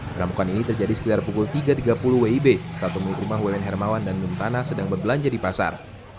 perampokan ini terjadi sekitar pukul tiga tiga puluh wib saat pemilik rumah wen hermawan dan muntana sedang berbelanja di pasar